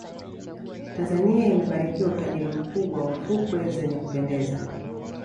tanzania imebarikiwa utajiri mkubwa wa fukwe zenye kupendeza